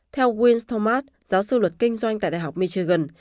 theo winst thomas giáo sư luật kinh doanh tại đại học michigan